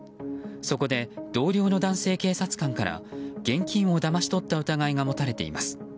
そこで同僚の男性警察官から現金をだまし取った疑いが持たれています。